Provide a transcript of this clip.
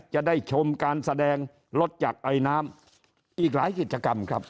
จะได้ชมการแสดงรถจากไอน้ำอีกหลายกิจกรรมครับ